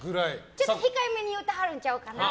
ちょっと控えめに言うてはるんじゃないかなと。